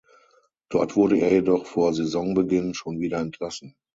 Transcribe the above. Dort wurde er jedoch vor Saisonbeginn schon wieder entlassen.